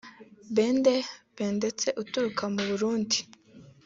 Bède Bedetse uturuka mu Burundi